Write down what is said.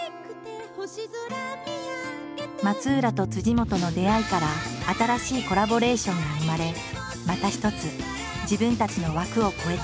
松浦と本の出会いから新しいコラボレーションが生まれまた一つ自分たちの枠を超えた。